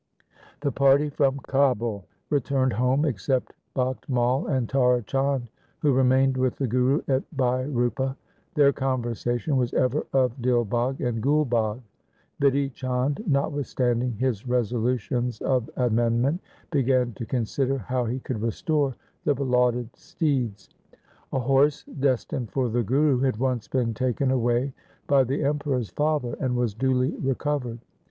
The party from Kabul returned home, except Bakht Mai and Tara Chand, who remained with the Guru at Bhai Rupa. Their conversation was ever of Dil Bagh and Gul Bagh. Bidhi Chand, notwith standing his resolutions of amendment, began to consider how he could restore the belauded steeds. A horse destined for the Guru had once been taken away by the Emperor's father and was duly re covered.